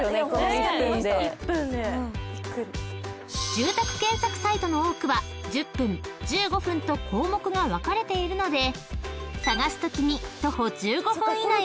［住宅検索サイトの多くは１０分１５分と項目が分かれているので探すときに］